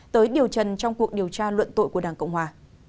tới điều trần trong cuộc điều tra luận tội của đảng cộng hòa